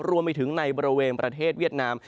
รวมไปถึงในบริเวณประเทศเวียดนาม